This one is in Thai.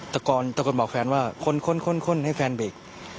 ตะกอนบอกแฟนว่าค้นให้แฟนเบก